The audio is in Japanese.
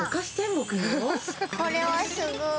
これはすごい。